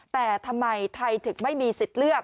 แต่ทำไมไทยถึงไม่มีสิทธิ์เลือก